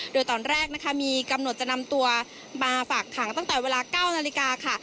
โดยตอนแรกนะคะมีกำหนดจะนำตัวมาฝากขังตั้งแต่เวลา๙นาฬิกาค่ะ